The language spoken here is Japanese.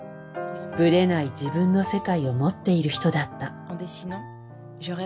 ぶれない自分の世界を持っている人だった。